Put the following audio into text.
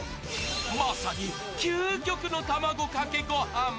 まさに究極の卵かけご飯。